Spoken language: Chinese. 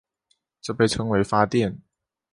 这被称为发电。